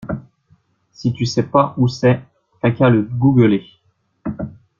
Si tu sais pas où c'est, t'as qu'à le googler.